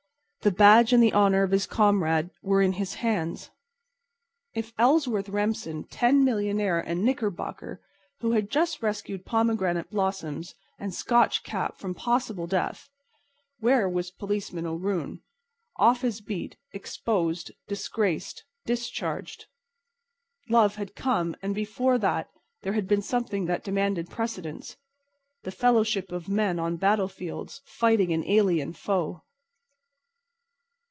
The badge and the honor of his comrade were in his hands. If Ellsworth Remsen, ten millionaire and Knickerbocker, had just rescued pomegranate blossoms and Scotch cap from possible death, where was Policeman O'Roon? Off his beat, exposed, disgraced, discharged. Love had come, but before that there had been something that demanded precedence—the fellowship of men on battlefields fighting an alien foe.